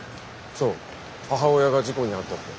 そう母親が事故に遭ったって。